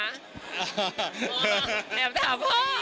อ่าแหม่บถามพ่อ